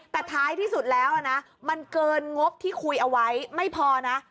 แต่ท้ายที่สุดแล้วนะมันเกินงบที่คุยเอาไว้ไม่พอนะ